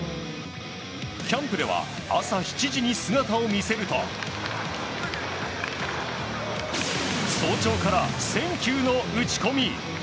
キャンプでは朝７時に姿を見せると早朝から１０００球の打ち込み。